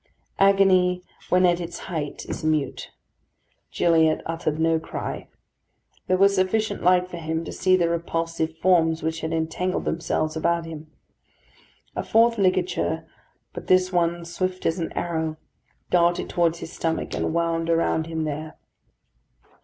Agony when at its height is mute. Gilliatt uttered no cry. There was sufficient light for him to see the repulsive forms which had entangled themselves about him. A fourth ligature, but this one swift as an arrow, darted towards his stomach, and wound around him there.